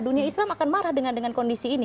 dunia islam akan marah dengan kondisi ini